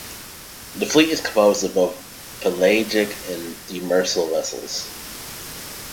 The fleet is composed of both pelagic and demersal vessels.